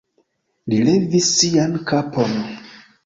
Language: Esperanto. Li levis sian kapon.